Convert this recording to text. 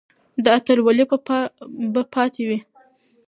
دا اتلولي به پاتې وي.